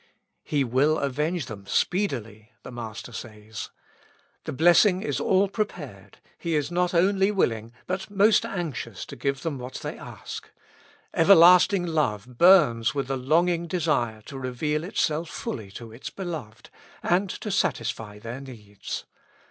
''' He will avenge them speedily^ the Master says. The blessing is all prepared ; He is not only willing, but most anxious to give them what they ask ; ever lasting love burns with the longing desire to reveal itself fully to its beloved, and to satisfy their needs.